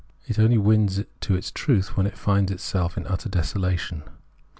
It only wins to its truth when it finds itself in utter desolation.